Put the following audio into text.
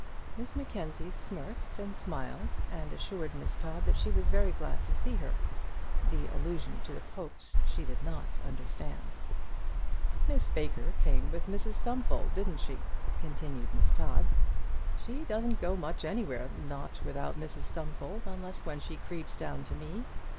Miss Mackenzie smirked and smiled, and assured Miss Todd that she was very glad to see her. The allusion to the Popes she did not understand. "Miss Baker came with Mrs Stumfold, didn't she?" continued Miss Todd. "She doesn't go much anywhere now without Mrs Stumfold, unless when she creeps down to me.